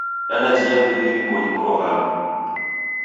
Dandajia vindo irikonyi koralughu!